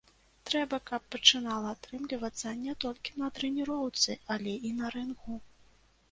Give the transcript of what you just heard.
Трэба, каб пачынала атрымлівацца не толькі на трэніроўцы, але і на рынгу.